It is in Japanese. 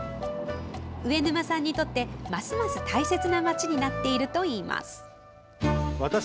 上沼さんにとってますます大切な町になっているといいます。